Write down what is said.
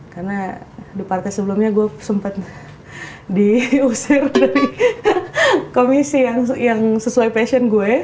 karena di partai sebelumnya gue sempet diusir dari komisi yang sesuai passion gue